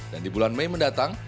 dan di bulan mei mendatang